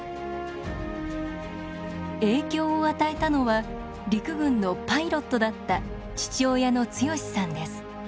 影響を与えたのは陸軍のパイロットだった父親の強さんです。